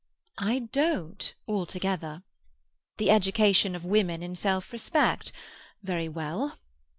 "I don't, altogether. "The education of women in self respect." Very well.